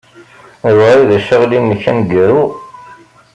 D wa ay d acaɣli-nnek aneggaru.